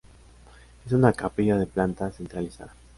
Es una capilla de planta centralizada.